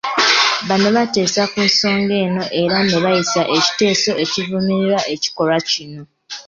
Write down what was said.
Bano baatesa ku nsonga eno era nebayisa ekiteeso ekivumirira ekikolwa kino.